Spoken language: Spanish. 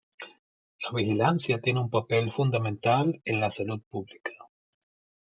La vigilancia tiene un papel fundamental en la salud pública.